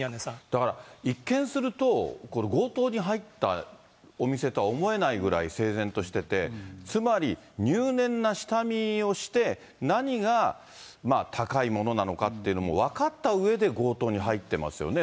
だから、一見すると、これ、強盗に入ったお店とは思えないぐらい整然としてて、つまり入念な下見をして、何が高いものなのかっていうのも分かったうえで強盗に入ってますよね。